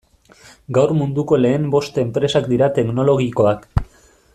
Gaur munduko lehen bost enpresak dira teknologikoak.